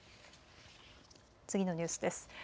次のニュースです。